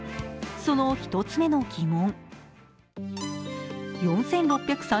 その一つ目の疑問。